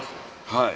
はい。